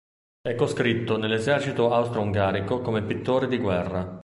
È coscritto nell'esercito austro-ungarico come pittore di guerra.